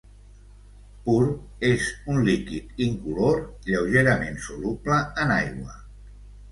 Pur, és un líquid incolor lleugerament soluble en aigua.